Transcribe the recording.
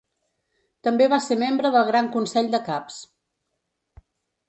També va ser membre del Gran Consell de Caps.